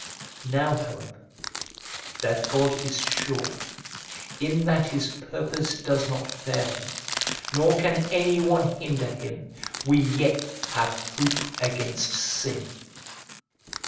Now, however, that God is sure, in that His purpose does not fail Him, nor can any one hinder Him, we yet have hope against sin.